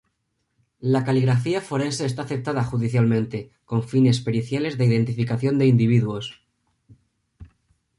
La caligrafía forense está aceptada judicialmente, con fines periciales de identificación de individuos.